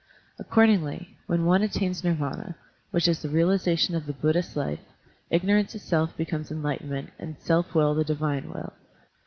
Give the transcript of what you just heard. Accordingly, when one attains Nirvana, which is the realization of the Buddhist life, ignorance itself becomes enlightenment and self will the divine will.